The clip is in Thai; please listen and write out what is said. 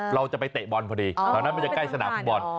เราจะไปเตะบอลพอดีแถวนั้นมันจะใกล้สนามฟุตบอล